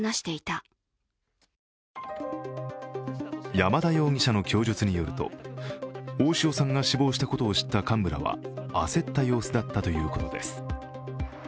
山田容疑者の供述によると大塩さんが死亡したことを知った幹部らは焦った様子だったということです。